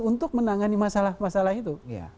untuk menangani masalah masalah itu